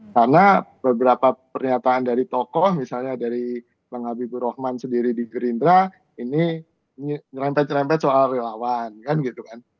karena beberapa pernyataan dari tokoh misalnya dari bang habibur rahman sendiri di gerindra ini ngerampet ngerampet soal relawan kan gitu kan